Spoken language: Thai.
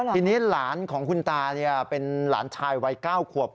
ทีนี้หลานของคุณตาเป็นหลานชายวัย๙ขวบ